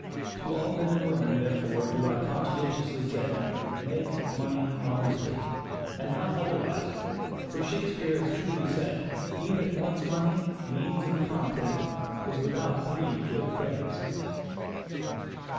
To all men and women, therefore, do I conscientiously say, make money honestly, and not otherwise, for Shakespeare has truly said, "He that wants money, means and content, is without three good friends."